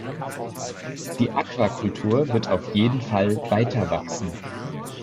Die Aquakultur wird auf jeden Fall weiter wachsen.